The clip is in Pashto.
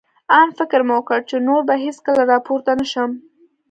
آن فکر مې وکړ، چې نور به هېڅکله را پورته نه شم.